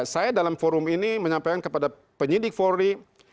saya dalam forum ini menyampaikan kepada penyidik polri